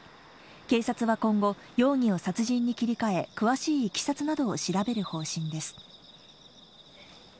警察は今後、容疑を殺人に切り替え、詳しい経緯などを調べる方針です。